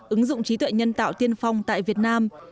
ứng dụng trí tuệ nhân tạo tiên phong tại việt nam